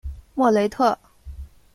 莫雷特。